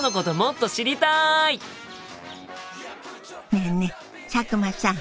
ねえねえ佐久間さん。